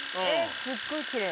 すごいきれい。